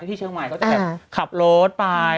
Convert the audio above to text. ที่เชียงใหม่เขาจะแบบขับรถไป